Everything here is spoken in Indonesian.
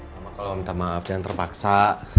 mama kalau minta maaf jangan terpaksa